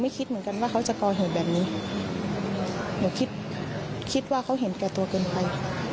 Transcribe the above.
ไม่คิดเหมือนกันว่าเขาจะก็เห็นแบบนี้ก็คิดว่าเขาเห็นแก่ตัวเหมือนไง